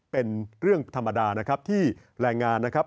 เป็นเรื่องธรรมดานะครับที่แรงงานนะครับ